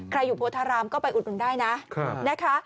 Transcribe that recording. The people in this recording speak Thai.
ใครอยู่โพธารามก็ไปอุดกลุ่นได้นะคะ